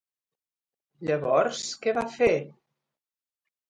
Llavors, què va fer?